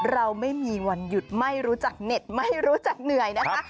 เราไม่มีวันหยุดไม่รู้จักเน็ตไม่รู้จักเหนื่อยนะคะ